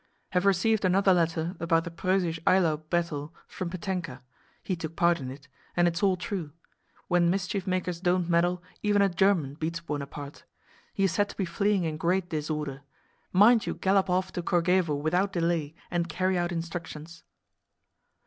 Have received another letter about the Preussisch Eylau battle from Pétenka—he took part in it—and it's all true. When mischief makers don't meddle even a German beats Buonaparte. He is said to be fleeing in great disorder. Mind you gallop off to Kórchevo without delay and carry out instructions!